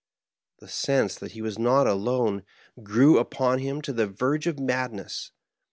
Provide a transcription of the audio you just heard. The sense that he was not alone grew upon him to the verge of madness.